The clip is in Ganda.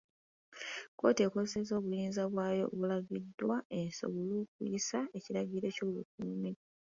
Kkooti ng'ekozesa obuyinza bwayo obulagiddwa esobola okuyisa ekiragiro ky'obukuumi.